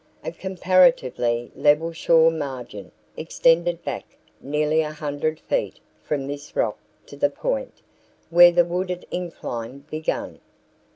A comparatively level shore margin extended back nearly a hundred feet from this rock to the point, where the wooded incline began.